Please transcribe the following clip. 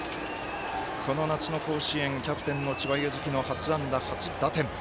この夏の甲子園キャプテンの千葉柚樹の初安打、初打点。